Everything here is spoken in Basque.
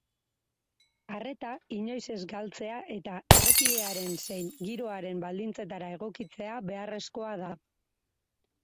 Arreta inoiz ez galtzea eta errepidearen zein giroaren baldintzetara egokitzea beharrezkoa da.